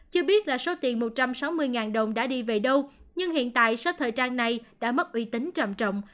chưa biết là số tiền một trăm sáu mươi đồng đã đi về đâu nhưng hiện tại số thời trang này đã mất uy tính trầm trọng